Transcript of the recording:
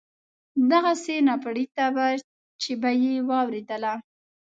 دغسې ناپړېته چې به یې واورېدله.